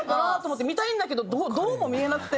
見たいんだけどどうも見えなくて。